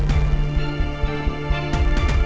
tidak ada yang bisa dipercaya